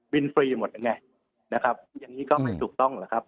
ฟรีหมดไงนะครับอย่างนี้ก็ไม่ถูกต้องหรอกครับ